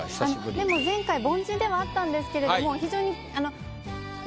でも前回凡人ではあったんですけれども非常にあの何？